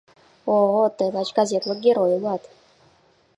— О-о, тый лач газетлык герой улат.